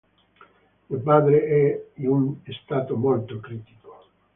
Mio padre è in uno stato molto critico.